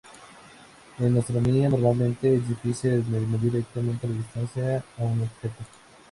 En astronomía, normalmente es difícil de medir directamente la distancia a un objeto.